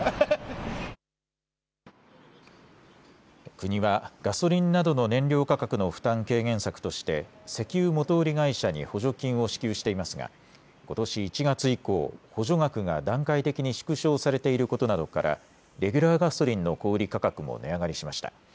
国はガソリンなどの燃料価格の負担軽減策として、石油元売り会社に補助金を支給していますが、ことし１月以降、補助額が段階的に縮小されていることなどから、レギュラーガソリンの小売り価格も値上がりしました。